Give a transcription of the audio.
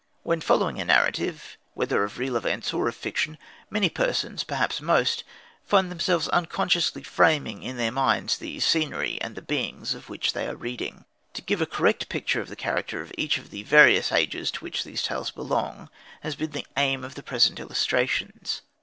When following a narrative, whether of real events or of fiction, many persons perhaps most find themselves unconsciously framing in their minds the scenery and the beings of which they are reading. To give a correct picture of the character of each of the various ages to which these tales belong, has been the aim of the present illustrations.